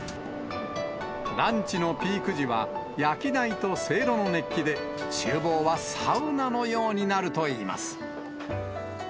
ランチのピーク時は、焼き台とせいろの熱気で、ちゅう房はサウナのようになるといいます。